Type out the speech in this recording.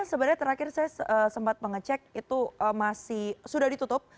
sebenarnya terakhir saya sempat mengecek itu masih sudah ditutup